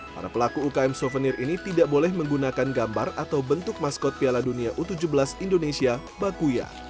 para pelaku ukm souvenir ini tidak boleh menggunakan gambar atau bentuk maskot piala dunia u tujuh belas indonesia bakuya